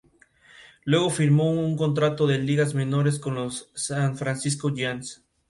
Asimismo, los retrata como buenos católicos y fieles a la monarquía española.